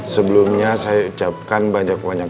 sebelumnya saya ucapkan banyak banyak